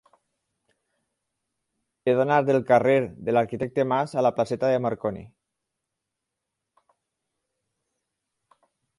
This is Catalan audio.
He d'anar del carrer de l'Arquitecte Mas a la placeta de Marconi.